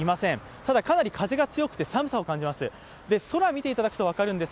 ただ、かなり風が強くて寒さを感じます。